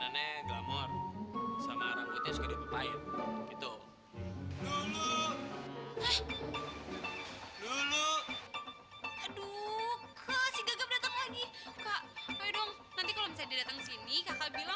aduk presenter lagi kak baik dong nanti kolom saya datang sini k lattice bilang